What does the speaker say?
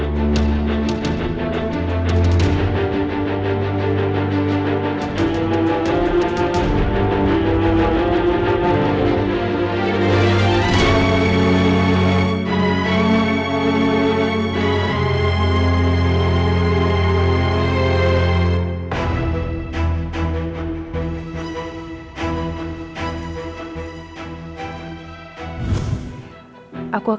aku mau pergi ke tempat yang lebih baik